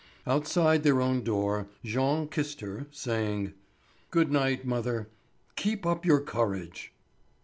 Outside their own door Jean kissed her, saying: "Good night, mother, keep up your courage."